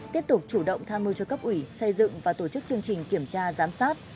tiếp tục chủ động tham mưu cho cấp ủy xây dựng và tổ chức chương trình kiểm tra giám sát